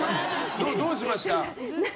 どうしました？